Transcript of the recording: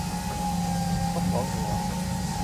นกสองหัว